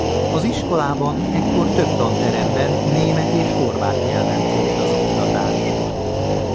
Az iskolában ekkor több tanteremben német és horvát nyelven folyt az oktatás.